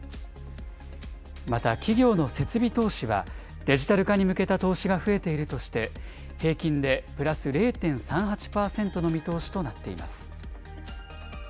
また、企業の設備投資は、デジタル化に向けた投資が増えているとして、平均でプラス０．３８％の見通しとなっています。